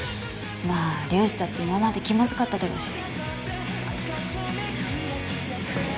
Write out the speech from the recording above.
まあ龍二だって今まで気まずかっただろうし。